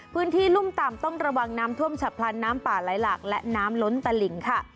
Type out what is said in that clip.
รุ่มต่ำต้องระวังน้ำท่วมฉับพลันน้ำป่าไหลหลากและน้ำล้นตะหลิงค่ะ